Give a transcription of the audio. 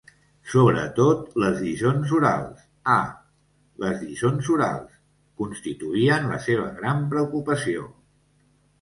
Sobretot les lliçons orals, ah, les lliçons orals!, constituïen la seva gran preocupació.